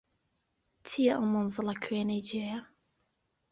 چییە ئەو مەنزڵە کوێنەی جێیە